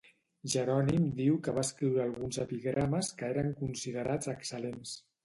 Jerònim diu que va escriure alguns epigrames que eren considerats excel·lents.